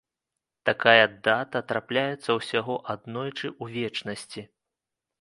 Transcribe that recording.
Такая дата трапляецца ўсяго аднойчы ў вечнасці.